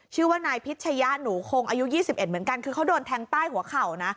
ชื่อว่านายพิชยะหนูคงอายุ๒๑เหมือนกันคือเขาโดนแทงใต้หัวเข่านะ